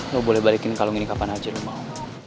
lo boleh balikin kalung ini kapan aja lo mau